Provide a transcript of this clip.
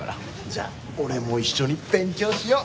じゃあ俺も一緒に勉強しよ！